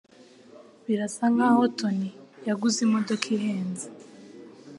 Birasa nkaho Tony yaguze imodoka ihenze.